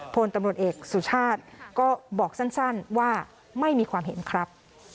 พลตำรวจเอกสุชาติก็บอกสั้นว่าไม่มีความเห็นครับ